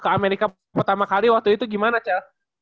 ke amerika pertama kali waktu itu gimana cara